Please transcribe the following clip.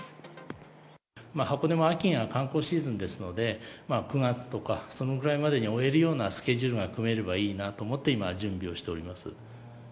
箱根も秋には観光シーズンですので、９月とか、そのぐらいまでに終えるようなスケジュールが組めればいいなと思って、今、準備をしております。